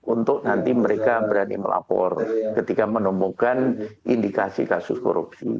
untuk nanti mereka berani melapor ketika menemukan indikasi kasus korupsi